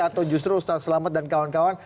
atau justru ustaz selamet dan kawan kawan